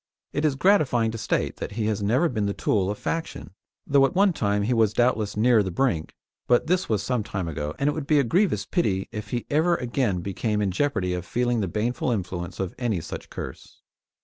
It is gratifying to state that he has never been the tool of faction, though at one time he was doubtless near the brink; but this was some time ago, and it would be a grievous pity if he ever again became in jeopardy of feeling the baneful influence of any such curse.